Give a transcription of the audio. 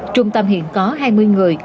trung tâm hiện có hai mươi người